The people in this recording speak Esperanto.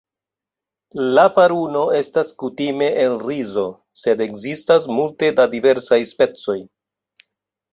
La faruno estas kutime el rizo, sed ekzistas multe da diversaj specoj.